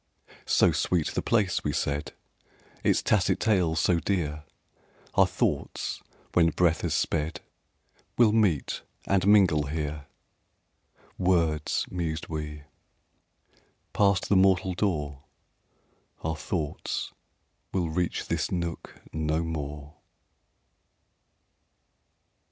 "So sweet the place," we said, "Its tacit tales so dear, Our thoughts, when breath has sped, Will meet and mingle here!" ... "Words!" mused we. "Passed the mortal door, Our thoughts will reach this nook no more."